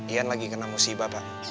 ian lagi kena musibah pak